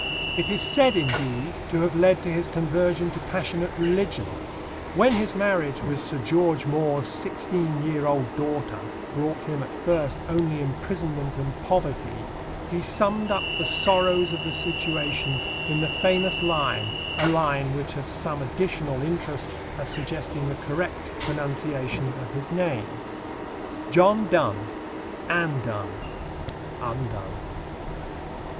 It is said, indeed, to have led to his conversion to passionate religion. When his marriage with Sir George More's sixteen year old daughter brought him at first only imprisonment and poverty, he summed up the sorrows of the situation in the famous line a line which has some additional interest as suggesting the correct pronunciation of his name: John Donne; Anne Donne; Undone.